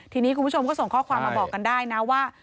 ทีนี้คุณผู้ชมก็ส่งข้อความมาบอกกันได้นะว่า